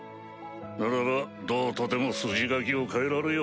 ならばどうとでも筋書きを変えられよう。